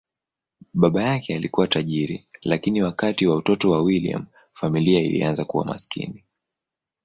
Baba yake alikuwa tajiri, lakini wakati wa utoto wa William, familia ilianza kuwa maskini.